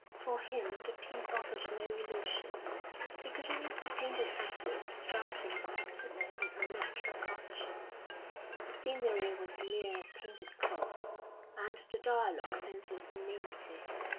For him the piece offered no illusions; he could only see painted actors strutting affectedly in unnatural costumes; the scenery was mere painted cloth, and the dialogue senseless inanity.